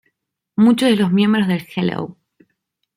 Muchos de los miembros del Hello!